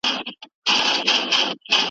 که به دوه وه درې یې نور پوري تړلي .